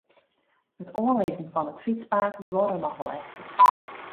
It oanlizzen fan it fytspaad duorre noch wol efkes.